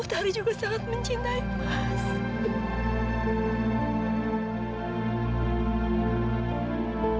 otari juga sangat mencintai mas